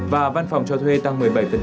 và văn phòng cho thuê tăng một mươi bảy